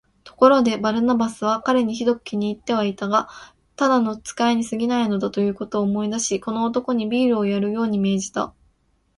ところで、バルナバスは彼にひどく気に入ってはいたが、ただの使いにすぎないのだ、ということを思い出し、この男にビールをやるように命じた。